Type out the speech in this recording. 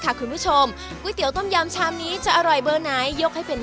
ครับเชิญเลยครับ